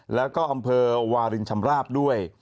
แล้วก็อำเภอวารินชำราบด้วย